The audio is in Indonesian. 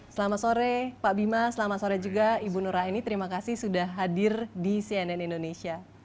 selamat sore pak bima selamat sore juga ibu nuraini terima kasih sudah hadir di cnn indonesia